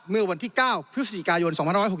เมื่อวันที่๙พฤศจิกายน๒๖๖